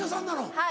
はい。